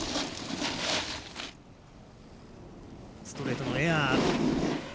ストレートエア。